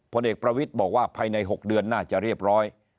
ผลเอกประวิทย์บอกว่าภายใน๖เดือนน่าจะเรียบร้อย